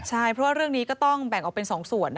ใช่เพราะว่าเรื่องนี้ก็ต้องแบ่งออกเป็น๒ส่วน